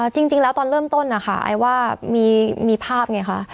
จริงแล้วตอนเริ่มต้นอายว่ามีภาพไงด้วยค่ะ